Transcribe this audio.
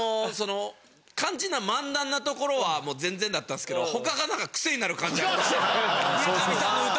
肝心な漫談なところは全然だったんですけど他がクセになる感じありましたよね。